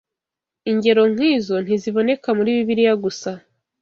Ingero nk’izo ntiziboneka muri Bibiliya gusa